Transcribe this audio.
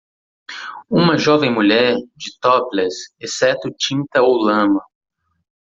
Uma jovem mulher? de topless, exceto tinta ou lama.